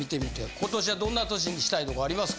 今年はどんな年にしたいとかありますか？